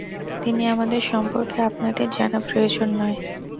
কিন্তু আমাদের সম্পর্কে আপনাদের জানা প্রয়োজন নয়।